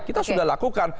kita sudah lakukan